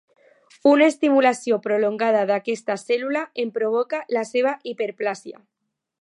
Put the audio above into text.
Una estimulació prolongada d'aquesta cèl·lula en provoca la seva hiperplàsia.